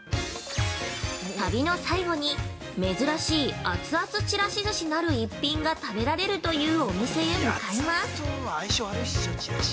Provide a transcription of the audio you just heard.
◆旅の最後に、珍しいアツアツちらし寿司なる逸品が食べられるというお店へ向かいます。